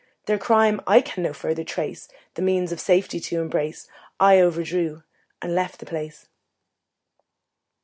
Their crime I can no further trace The means of safety to embrace, I overdrew and left the place.